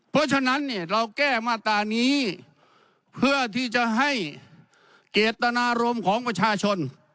เพราะฉะนั้นเนี่ยเราแก้มาตรานี้เพื่อที่จะให้เจตนารมณ์ของประชาชน